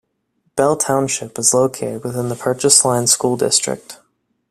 Bell Township is located within the Purchase Line School District.